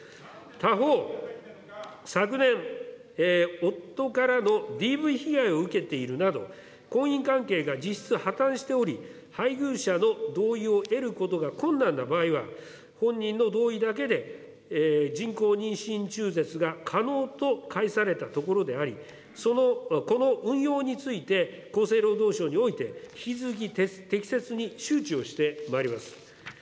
他方、昨年、夫からのＤＶ被害を受けているなど、婚姻関係が実質破綻しており、配偶者の同意を得ることが困難な場合は、本人の同意だけで、人工妊娠中絶が可能とかいされたところであり、この運用について、厚生労働省において、引き続き適切に周知をしてまいります。